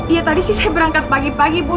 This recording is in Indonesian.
iya tadi sih saya berangkat pagi pagi bu